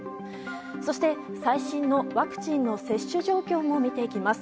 そして、最新のワクチンの接種状況も見ていきます。